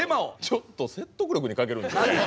ちょっと説得力に欠けるんですよね。